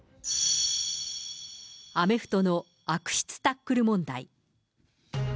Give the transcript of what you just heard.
アメフトの悪質タックル問題。